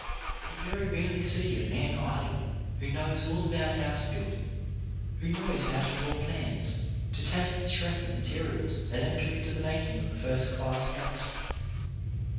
You very rarely see a man idle who knows all about house building, who knows how to draw plans, to test the strength of materials that enter into the making of a first class house.